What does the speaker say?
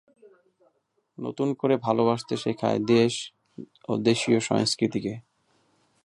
নতুন করে ভালোবাসতে শেখায় দেশ ও দেশীয় সংস্কৃতিকে।